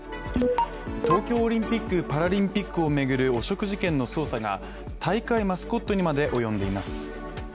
東京オリンピック・パラリンピックを巡る汚職事件の捜査が大会マスコットにまで及んでいます。